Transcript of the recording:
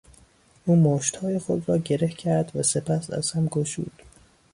او مشتهای خود را گره کرد و سپس از هم گشود.